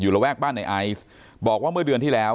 ระแวกบ้านในไอซ์บอกว่าเมื่อเดือนที่แล้ว